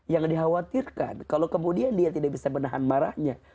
yang dikhawatirkan kalau kemudian dia tidak bisa menahan marahnya